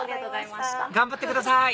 頑張ってください！